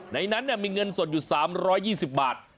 ในนั้นมีเงินสดอยู่๓๒๐บาท